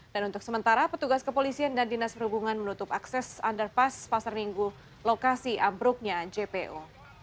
untuk sementara petugas kepolisian dan dinas perhubungan menutup akses underpass pasar minggu lokasi ambruknya jpo